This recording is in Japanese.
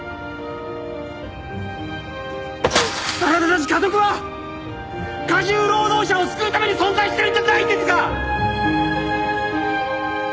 あなたたちかとくは過重労働者を救うために存在してるんじゃないんですか！？